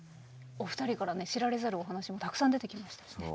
お二人からね知られざるお話もたくさん出てきましたからね。